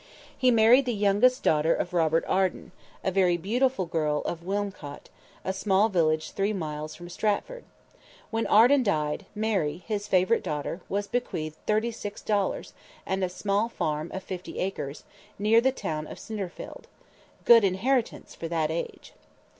He married the youngest daughter of Robert Arden, a very beautiful girl of Wilmcote, a small village three miles from Stratford. When Arden died, Mary, his favorite daughter, was bequeathed thirty six dollars, and a small farm of fifty acres, near the town of Snitterfield. Good inheritance for that age.